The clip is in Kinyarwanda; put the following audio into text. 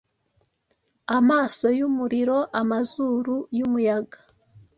Amaso yumuriro, amazuru yumuyaga,